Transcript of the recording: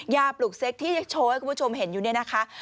ปลูกเซ็กที่ยังโชว์ให้คุณผู้ชมเห็นอยู่เนี่ยนะคะ